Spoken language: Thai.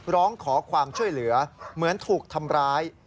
ร้องขอความช่วยเหลือเหมือนถูกทำร้าย